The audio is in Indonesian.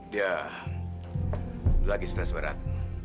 dia lagi stres berat